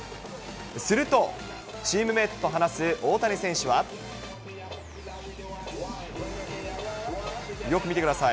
すると、チームメートと話す大谷選手は。よく見てください。